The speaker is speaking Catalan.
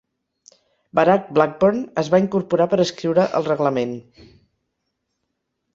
Barak Blackburn es va incorporar per escriure el reglament.